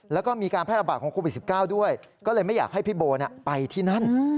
แล้วก็มีการแพร่ระบาดของโควิด๑๙ด้วยก็เลยไม่อยากให้พี่โบไปที่นั่น